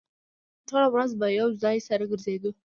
ټوله ورځ به يو ځای سره ګرځېدو.